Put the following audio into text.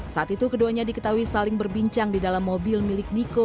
saat itu keduanya diketahui saling berbincang di dalam mobil milik niko